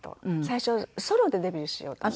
最初ソロでデビューしようと。